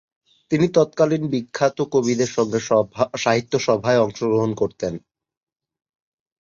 তিনি তৎকালীন বিখ্যাত কবিদের সঙ্গে সাহিত্যসভায় অংশগ্রহণ করতেন।